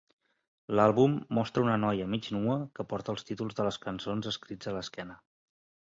L'àlbum mostra una noia mig nua que porta els títols de les cançons escrits a l'esquena.